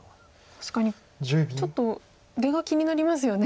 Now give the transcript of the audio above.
確かにちょっと出が気になりますよね。